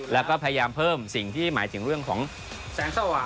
แล้วก็พยายามเพิ่มสิ่งที่หมายถึงเรื่องของแสงสว่าง